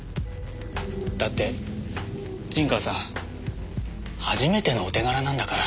だって陣川さん初めてのお手柄なんだから。